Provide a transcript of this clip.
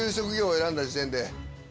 選んだ時点で